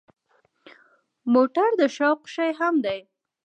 موټر د شوق شی هم دی.